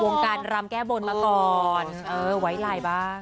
วงการรำแก้บนมาก่อนเออไว้ไลน์บ้าง